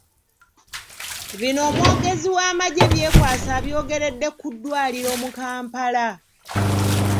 Bino omwogezi w’amagye Byekwaso abyogeredde ku ddwaliro mu Kampala .